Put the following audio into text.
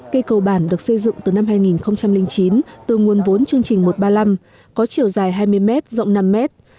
cây cầu bản được xây dựng từ năm hai nghìn chín từ nguồn vốn chương trình một trăm ba mươi năm có chiều dài hai mươi mét rộng năm mét